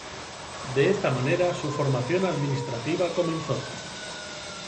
De esta manera, su formación administrativa comenzó.